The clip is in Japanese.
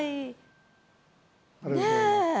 ねえ